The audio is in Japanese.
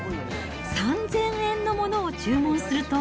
３０００円のものを注文すると。